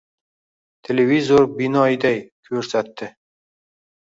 Televizor binoyiday ko‘rsatdi.